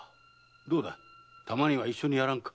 どうだたまには一緒にやらんか？